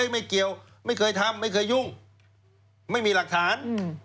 ไม่เกี่ยวไม่เคยทำไม่เคยยุ่งไม่มีหลักฐาน